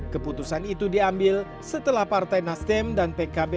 keputusan itu diambil setelah partai nasdem dan pkb